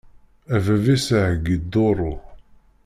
A bab-is heggi duṛu.